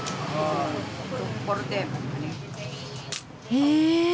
へえ。